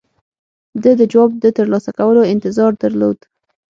ده د جواب د ترلاسه کولو انتظار درلود.